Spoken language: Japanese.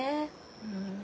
うん。